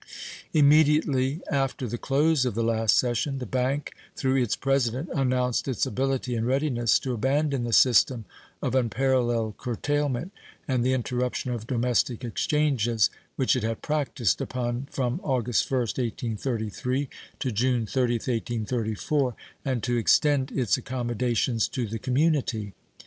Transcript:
Immediately after the close of the last session the bank, through its president, announced its ability and readiness to abandon the system of unparalleled curtailment and the interruption of domestic exchanges which it had practiced upon from August 1st, 1833 to June 30th, 1834, and to extend its accommodations to the community.